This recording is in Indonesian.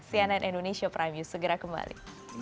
cnn indonesia prime news segera kembali